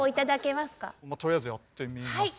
まあとりあえずやってみます。